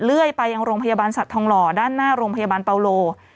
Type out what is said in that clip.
เรื่อยไปยังโรงพยาบาลสัตว์ทองหล่อด้านหน้าโรงพยาบาลเปาโล